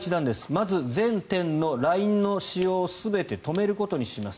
まず全店のＬＩＮＥの使用を全て止めることにします。